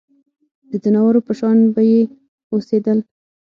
د ځناورو په شان به یې اوسېدل.